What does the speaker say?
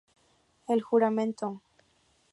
El juramento.